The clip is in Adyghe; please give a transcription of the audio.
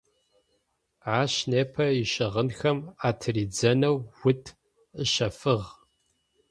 Ащ непэ ищыгъынхэм атыридзэнэу ут ыщэфыгъ.